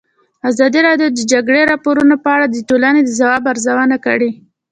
ازادي راډیو د د جګړې راپورونه په اړه د ټولنې د ځواب ارزونه کړې.